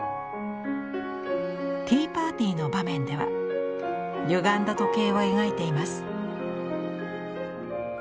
ティーパーティーの場面ではゆがんだ時計を描いています。